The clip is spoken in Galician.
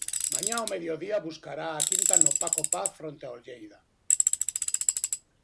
Mañá ao mediodía buscará a quinta no Paco Paz fronte ao Lleida.